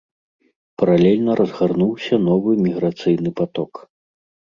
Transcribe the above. Паралельна разгарнуўся новы міграцыйны паток.